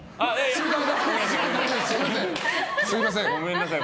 すみません。